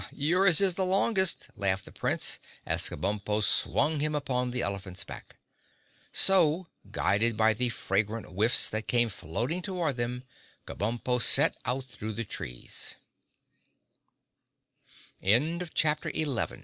"Yours is the longest," laughed the Prince, as Kabumpo swung him upon the elephant's back. So, guided by the fragrant whiffs that came floating toward them, Kabumpo set out throu